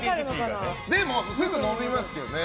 でも、すぐ伸びますけどね。